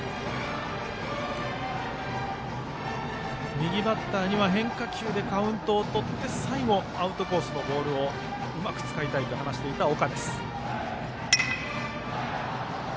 右バッターには変化球でカウントをとって最後、アウトコースのボールをうまく使いたいと話していた岡。